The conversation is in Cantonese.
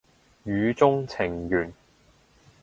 語中程緣